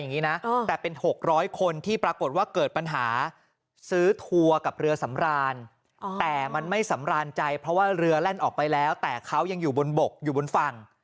อย่างนี้นะแต่เป็น๖๐๐คนที่ปรากฏว่าเกิดปัญหาซื้อทัวร์กับเรือสำรานแต่มันไม่สำราญใจเพราะว่าเรือแล่นออกไปแล้วแต่เขายังอยู่บนบกอยู่บนฝั่ง